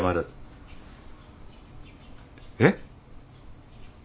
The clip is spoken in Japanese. えっ？